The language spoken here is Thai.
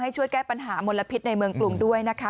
ช่วยแก้ปัญหามลพิษในเมืองกรุงด้วยนะคะ